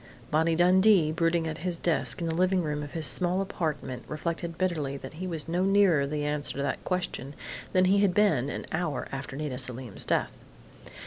_ Bonnie Dundee, brooding at his desk in the living room of his small apartment, reflected bitterly that he was no nearer the answer to that question than he had been an hour after Nita Selim's death.